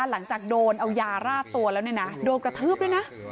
หลังจากโดนเอายาราดตัวแล้วเนี่ยนะโดนกระทืบด้วยนะ